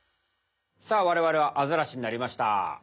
さあわれわれはアザラシになりました。